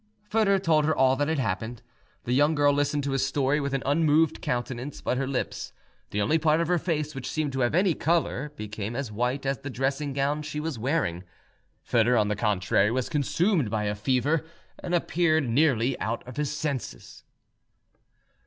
Foedor told her all that had happened. The young girl listened to his story with an unmoved countenance, but her lips, the only part of her face which seemed to have any colour, became as white as the dressing gown she was wearing. Foedor, on the contrary, was consumed by a fever, and appeared nearly out of his senses.